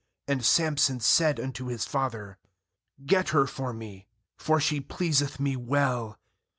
And Samson said unto his father: 312 JUDGES 15 1 'Get her for me; for she pleaseth me well.'